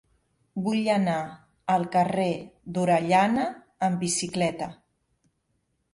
Vull anar al carrer d'Orellana amb bicicleta.